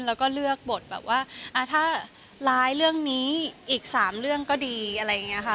แล้วก็เลือกบทแบบว่าถ้าร้ายเรื่องนี้อีก๓เรื่องก็ดีอะไรอย่างนี้ค่ะ